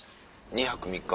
２泊３日？